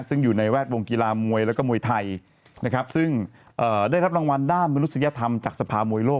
ซึ่งอยู่ในแวดวงกีฬามวยแล้วก็มวยไทยนะครับซึ่งได้รับรางวัลด้านมนุษยธรรมจากสภามวยโลก